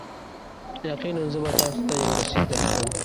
یقینا، زه به تاسو ته یو رسید درکړم.